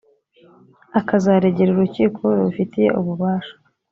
akazaregera urukiko rubifitiye ububasha